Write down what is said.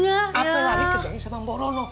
apa lagi kerjanya sama borono